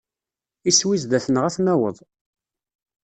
Iswi sdat-neɣ ad t-naweḍ.